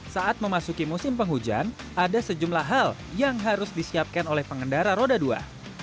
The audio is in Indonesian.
saat memasuki musim penghujan ada sejumlah hal yang harus disiapkan oleh pengendara roda dua